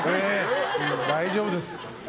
大丈夫です。